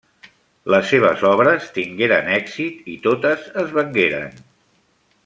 Les seves obres tingueren èxit i totes es vengueren.